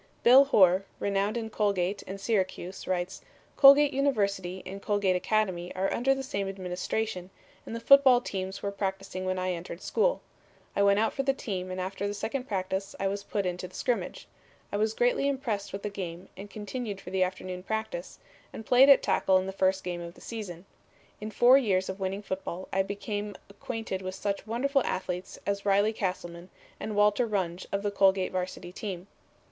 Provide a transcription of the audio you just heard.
Bill Horr, renowned in Colgate and Syracuse, writes: "Colgate University and Colgate Academy are under the same administration, and the football teams were practicing when I entered school. I went out for the team and after the second practice I was put into the scrimmage. I was greatly impressed with the game and continued for the afternoon practice, and played at tackle in the first game of the season. In four years of winning football I became acquainted with such wonderful athletes as Riley Castleman and Walter Runge of the Colgate Varsity team.